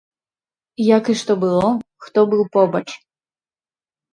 Як і што было, хто быў побач.